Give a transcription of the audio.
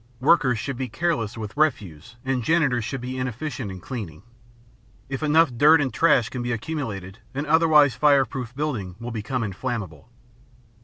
Workers should be careless with refuse and janitors should be inefficient in cleaning. If enough dirt and trash can be accumulated an otherwise fireproof building will become inflammable.